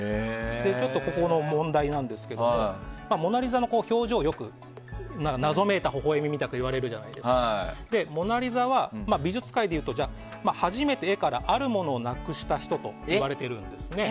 ちょっと、ここが問題なんですがモナ・リザの表情、よく謎めいたほほ笑みみたいに言われていてモナ・リザは美術界でいうと初めて絵からあるものをなくした人といわれています。